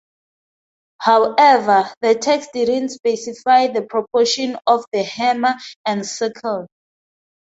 However the text didn't specify the proportion of the hammer and sickle.